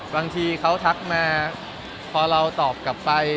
บางทีเขาทักมาพอเราตอบกลับไป